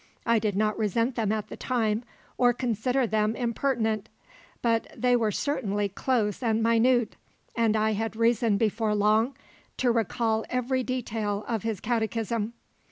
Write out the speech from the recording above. I did not resent them at the time or consider then impertinent. But they were certainly close and minute, and I had reason before long to recall every detail of his catechism.